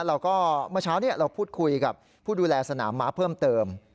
แล้วก็เมื่อเช้านี้เราพูดคุยกับผู้ดูแลสนามม้าเพิ่มเติม